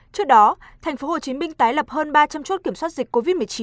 trước đó tp hcm tái lập hơn ba trăm linh chốt kiểm soát dịch covid một mươi chín